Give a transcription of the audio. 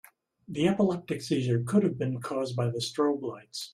The epileptic seizure could have been cause by the strobe lights.